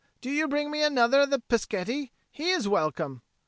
Do you bring me another of the Peschetti? He is welcome!"